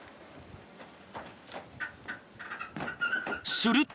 ［すると］